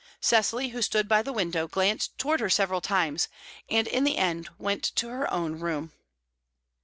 Cecily, who stood by the window, glanced towards her several times, and in the end went to her own room.